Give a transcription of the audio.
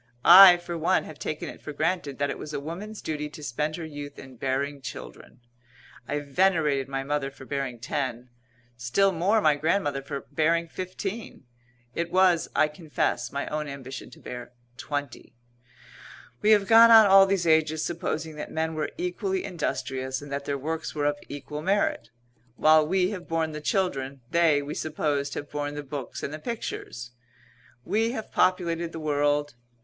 I, for one, have taken it for granted that it was a woman's duty to spend her youth in bearing children. I venerated my mother for bearing ten; still more my grandmother for bearing fifteen; it was, I confess, my own ambition to bear twenty. We have gone on all these ages supposing that men were equally industrious, and that their works were of equal merit. While we have borne the children, they, we supposed, have borne the books and the pictures. We have populated the world.